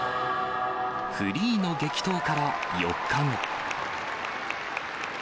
フリーの激闘から４日後。